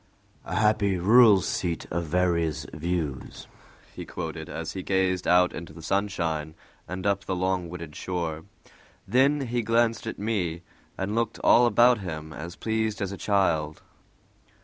"A happy, rural seat of various views," he quoted, as he gazed out into the sunshine and up the long wooded shore. Then he glanced at me, and looked all about him as pleased as a child.